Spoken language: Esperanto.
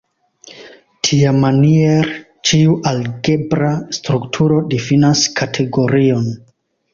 Tiamaniere, ĉiu algebra strukturo difinas kategorion.